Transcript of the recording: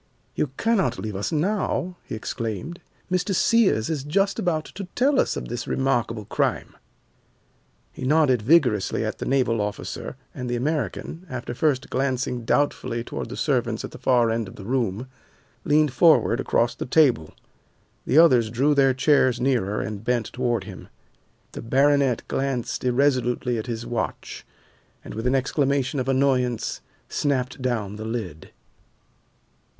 "You cannot leave us now," he exclaimed. "Mr. Sears is just about to tell us of this remarkable crime." He nodded vigorously at the naval officer and the American, after first glancing doubtfully toward the servants at the far end of the room, leaned forward across the table. The others drew their chairs nearer and bent toward him. The baronet glanced irresolutely at his watch, and with an exclamation of annoyance snapped down the lid.